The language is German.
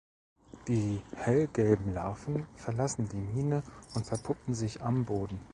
Die hellgelben Larven verlassen die Mine und verpuppen sich am Boden.